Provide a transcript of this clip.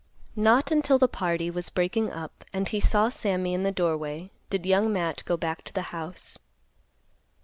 Not until the party was breaking up, and he saw Sammy in the doorway, did Young Matt go back to the house.